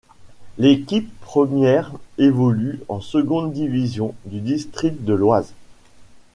L'équipe Première évolue en seconde division du district de l'Oise.